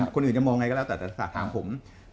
คนอื่นจะมองไงก็แล้วแต่จะฝากถามผม